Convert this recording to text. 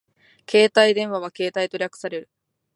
携帯電話はケータイと略される